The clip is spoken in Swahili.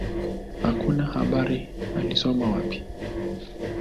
Hakuna habari alisoma wapi.